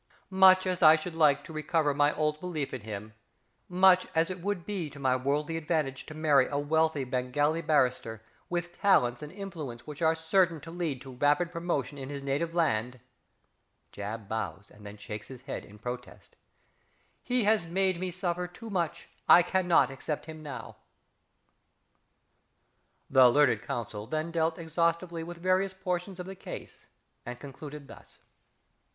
_) Much as I should like to recover my old belief in him, much as it would be to my worldly advantage to marry a wealthy Bengali barrister with talents and influence which are certain to lead to rapid promotion in his native land (~JAB.~ bows, and then shakes his head in protest), he has made me suffer too much, I cannot accept him now!" (_The learned Counsel then dealt exhaustively with various portions of the case, and concluded thus.